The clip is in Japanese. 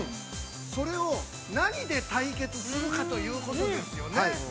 それを何で対決するかということですよね。